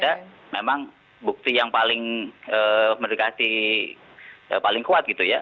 dan memang bukti yang paling mendekati paling kuat gitu ya